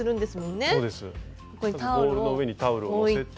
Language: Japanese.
ボウルの上にタオルをのせて。